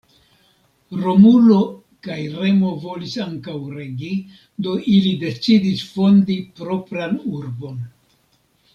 Romulo kaj Remo volis ankaŭ regi, do ili decidis fondi propran urbon.